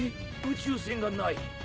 宇宙船がない。